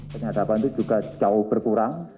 penyadapan itu juga jauh berkurang